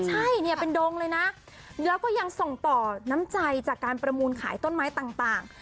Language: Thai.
ใช่เนี่ยเป็นดงเลยนะแล้วก็ยังส่งต่อน้ำใจจากการประมูลขายต้นไม้ต่าง